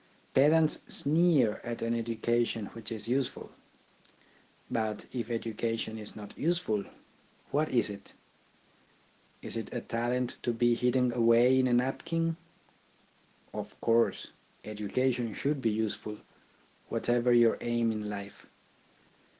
Pedants sneer at an education which is useful. But if education is not useful, what is it ? Is it a talent, to be hidden away in a napkin ? Of course, education should be useful, whatever your aim in life.